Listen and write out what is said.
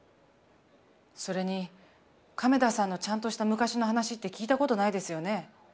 それに亀田さんのちゃんとした昔の話って聞いた事ないですよね。